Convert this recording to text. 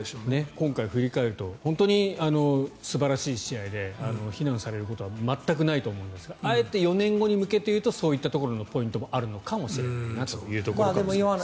今回、振り返ると本当に素晴らしい試合で非難されることは全くないと思うんですがあえて４年後に向けて言うとそういったところのポイントもあるのかもしれないですね。